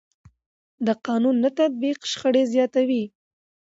د قانون نه تطبیق شخړې زیاتوي